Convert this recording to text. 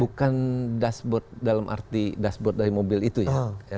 bukan dashboard dalam arti dashboard dari mobil itu ya